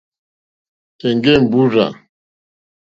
Èŋɡé mbúrzà.